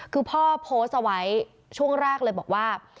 คือพ่อโพสต์เอาไว้ช่วงแรกเลยบอกว่า